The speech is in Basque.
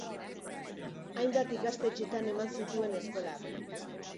Hainbat ikastetxetan eman zituen eskolak.